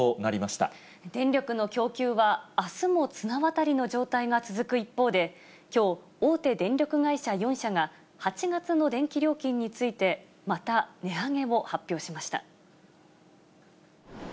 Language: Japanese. きょうも各地で猛烈な暑さとあすも綱渡りの状態が続く一方で、きょう、大手電力会社４社が、８月の電気料金について、また値上げを発表しました。